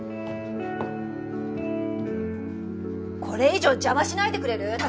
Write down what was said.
これ以上邪魔しないでくれる？